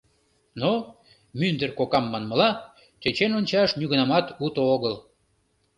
Но, мӱндыр кокам манмыла, «тӧчен ончаш нигунамат уто огыл».